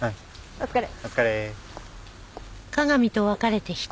お疲れ。